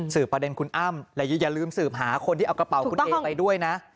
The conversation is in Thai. ประเด็นคุณอ้ำและอย่าลืมสืบหาคนที่เอากระเป๋าคุณเอไปด้วยนะ